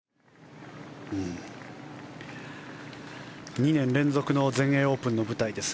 ２年連続の全英オープンの舞台です。